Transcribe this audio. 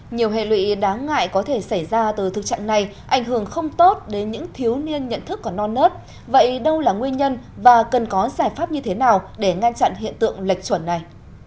nhiều hệ lụy đáng ngại có thể xảy ra từ thực trạng này ảnh hưởng không tốt đến những thiếu niên nhận thức còn non nớt vậy đâu là nguyên nhân và cần có giải pháp như thế nào để ngăn chặn hiện tượng lệch chuẩn này